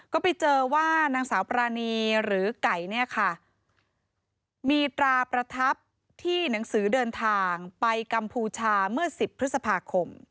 ก็ไปเจอว่านางสาวปรานีหรือไก่เนี่ยค่ะมีตราประทับที่หนังสือเดินทางไปกัมพูชาเมื่อ๑๐พฤษภาคม